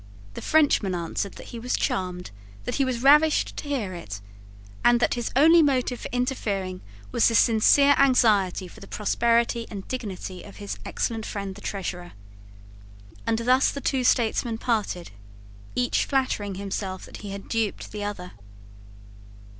The Frenchman answered that he was charmed, that he was ravished to hear it, and that his only motive for interfering was a sincere anxiety for the prosperity and dignity of his excellent friend the Treasurer. And thus the two statesmen parted, each flattering himself that he had duped the other.